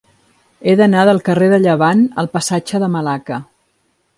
He d'anar del carrer de Llevant al passatge de Malacca.